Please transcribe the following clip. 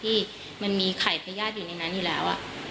ที่มันมีไข่พญาติอยู่ในนั้นอยู่แล้ว